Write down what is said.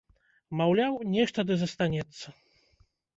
Маўляў, нешта ды застанецца.